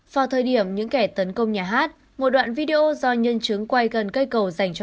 vào thời điểm những kẻ tấn công nhà hát một đoạn video do nhân chứng quay gần cây cầu dành cho